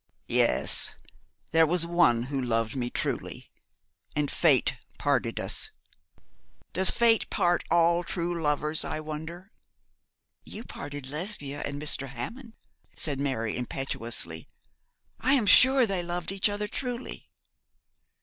Yes, there was one who loved me truly, and fate parted us. Does fate part all true lovers, I wonder?' 'You parted Lesbia and Mr. Hammond,' said Mary, impetuously. 'I am sure they loved each other truly.'